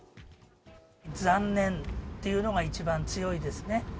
残念っていうのが一番強いですね。